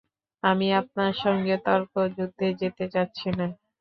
আমি আপনার সঙ্গে তর্কযুদ্ধে যেতে চাচ্ছি না।